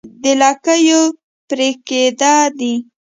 د لکيو پرې کېده دي